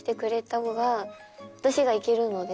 私がいけるので。